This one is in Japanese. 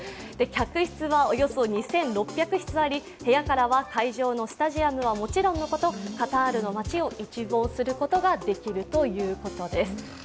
客室はおよそ２６００室あり部屋からは会場のスタジアムはもちろんのこと、カタールの街を一望することができるということです。